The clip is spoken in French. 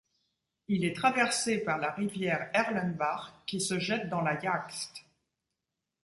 Il est traversé par la rivière Erlenbach qui se jette dans la Jagst.